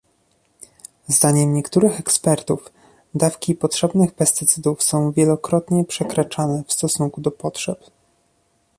Zdaniem niektórych ekspertów dawki potrzebnych pestycydów są wielokrotnie przekraczane w stosunku do potrzeb